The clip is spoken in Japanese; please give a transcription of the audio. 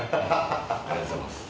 ありがとうございます。